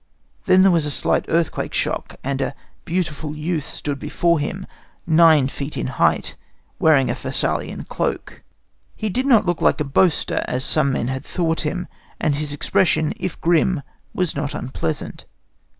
Then there was a slight earthquake shock, and a beautiful youth stood before him, nine feet in height, wearing a Thessalian cloak. He did not look like a boaster, as some men had thought him, and his expression, if grim, was not unpleasant.